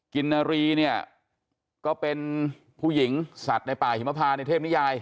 ณรีเนี่ยก็เป็นผู้หญิงสัตว์ในป่าหิมพาในเทพนิยาย